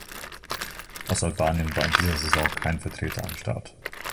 Aus Albanien war in dieser Saison kein Vertreter am Start.